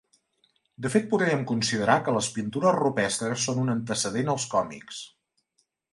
De fet podríem considerar que les pintures rupestres són un antecedent als còmics.